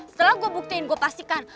setelah gue buktiin gue pastikan